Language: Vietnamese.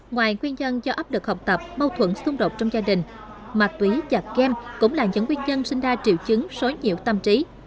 ngoài nguyên nhân do áp lực học tập mâu thuẫn xung đột trong gia đình mạc túy và kem cũng là những nguyên nhân sinh ra triệu chứng xối nhiễu tâm trí